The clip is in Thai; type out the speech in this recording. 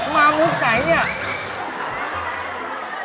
มามุขใดเนี่ย